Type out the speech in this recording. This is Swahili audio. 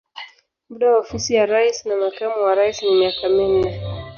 Muda wa ofisi ya rais na makamu wa rais ni miaka minne.